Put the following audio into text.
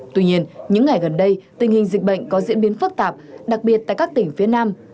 tuy nhiên những ngày gần đây tình hình dịch bệnh có diễn biến phức tạp đặc biệt tại các tỉnh phía nam